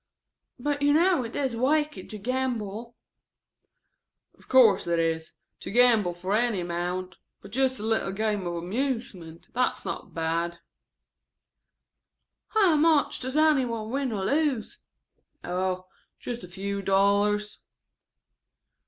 "But you know it is wicked to gamble?" "Of course it is, to gamble for any amount, but just a little game for amusement, that's not bad." "How much does any one win or lose?" "Oh, just a few dollars."